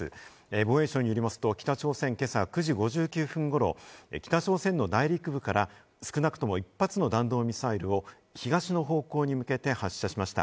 防衛省によりますと北朝鮮、今朝９時１５分ごろ、北朝鮮の内陸部から少なくとも１発の弾道ミサイルを東の方向に向けて発射しました。